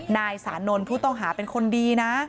นายสานนท์ผู้ต้องหาเป็นคนดีนะ